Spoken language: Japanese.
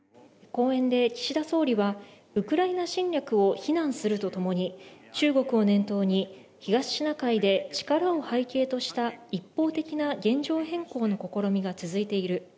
講演で岸田総理は、ウクライナ侵略を非難するとともに、中国を念頭に、東シナ海で力を背景とした一方的な現状変更の試みが続いている。